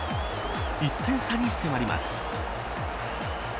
１点差に迫ります。